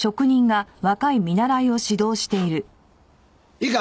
いいか？